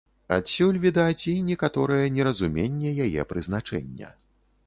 Адсюль, відаць, і некаторае неразуменне яе прызначэння.